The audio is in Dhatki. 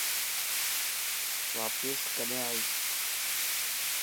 واپس ڪڏهن آئيس.